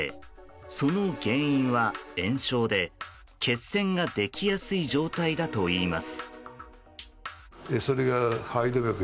その原因は、炎症で血栓ができやすい状態だといいます。